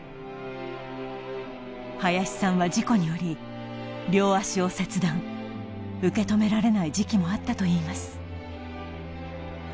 林さんは事故により両足を切断受けとめられない時期もあったといいます